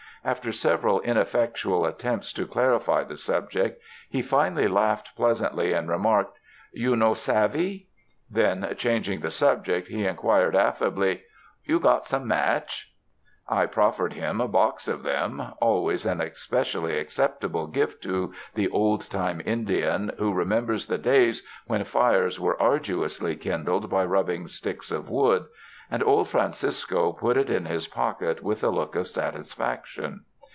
After several ineffectual at tempts to clarify the subject, he finally laughed pleasantly, and remarked: "You no savvy?" Then changing the subject, he inquired affably: You got some match?" I proffered him a box of them — always an espe cially acceptable gift to the old time Indian, who re members the days when fires were arduously kindled by rubbing sticks of wood — and old Francisco put it in his pocket with a look of satisfaction.